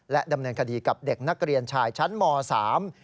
ดำเนินคดีกับเด็กนักเรียนชายชั้นมสาม